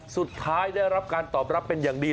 ได้รับการตอบรับเป็นอย่างดี